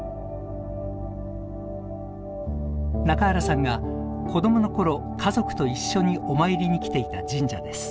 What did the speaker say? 中原さんが子どもの頃家族と一緒にお参りに来ていた神社です。